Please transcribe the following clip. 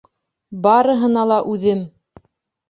Барыһына ла үҙем!